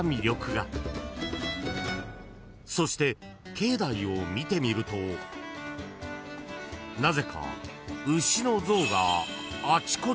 ［そして境内を見てみるとなぜか牛の像があちこちに］